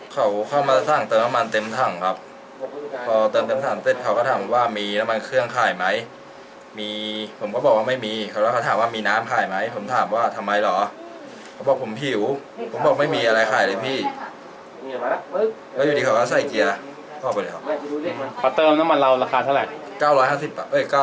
สวัสดีสวัสดีสวัสดีสวัสดีสวัสดีสวัสดีสวัสดีสวัสดีสวัสดีสวัสดีสวัสดีสวัสดีสวัสดีสวัสดีสวัสดีสวัสดีสวัสดีสวัสดีสวัสดีสวัสดีสวัสดีสวัสดีสวัสดีสวัสดีสวัสดีสวัสดีสวัสดีสวัสดีสวัสดีสวัสดีสวัสดีสวัสดี